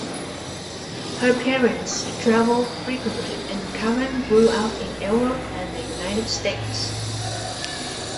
Her parents travelled frequently and Kavan grew up in Europe and the United States.